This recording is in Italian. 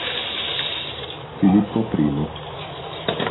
Filippo I